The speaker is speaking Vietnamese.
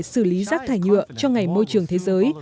xử lý rác thải nhựa cho ngày môi trường thế giới